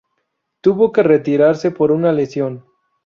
Tuvo que retirarse por una lesión